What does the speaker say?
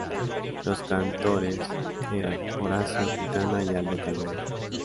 Los cantores eran Horacio Quintana y Aldo Calderón.